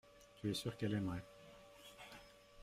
Tu es sûr qu’elle aimerait.